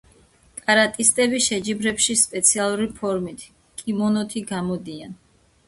კარატისტები შეჯიბრებებში სპეციალური ფორმით, კიმონოთი გამოდიან.